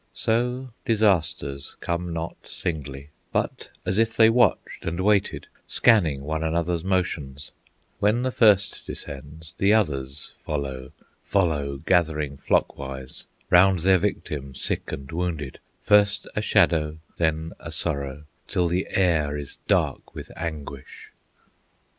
So disasters come not singly; But as if they watched and waited, Scanning one another's motions, When the first descends, the others Follow, follow, gathering flock wise Round their victim, sick and wounded, First a shadow, then a sorrow, Till the air is dark with anguish.